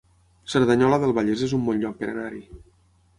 Cerdanyola del Vallès es un bon lloc per anar-hi